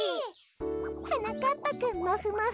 はなかっぱくんもふもふ。